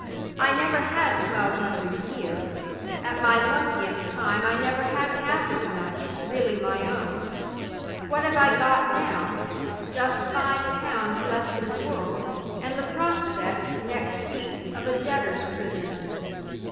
I never had twelve hundred a year. At my luckiest time, I never had half as much, really my own. What have I got now? Just five pounds left in the world and the prospect next week of a debtor's prison.